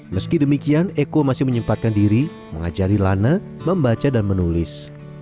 meski demikian eko masih menyempatkan diri mengajari lana membaca dan menulis